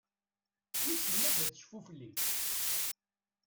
Wissen ma ad tecfu fell-i?